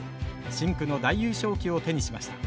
深紅の大優勝旗を手にしました。